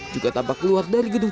juga tampak keluar dari gedung